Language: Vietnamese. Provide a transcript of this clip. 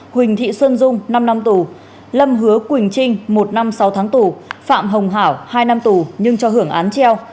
huỳnh thị xuân dung năm năm tù lâm hứa quỳnh trinh một năm sáu tháng tù phạm hồng hảo hai năm tù nhưng cho hưởng án treo